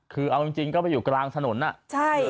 คือเอาจริงก็ไปอยู่กลางถนนอ่ะใช่